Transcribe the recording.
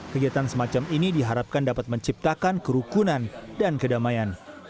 kegiatan semacam ini diharapkan dapat menciptakan kerukunan dan kedamaian